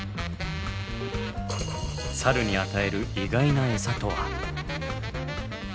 サルに与える意外なエサとは？